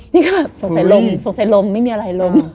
นี่ค่ะสงสัยลมสงสัยลมไม่มีอะไรลม